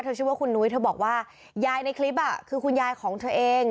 ชื่อว่าคุณนุ้ยเธอบอกว่ายายในคลิปคือคุณยายของเธอเอง